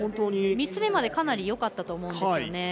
３つ目までかなりよかったと思うんですよね。